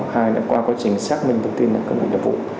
hai là qua quá trình xác minh thông tin là cần bị đọc vụ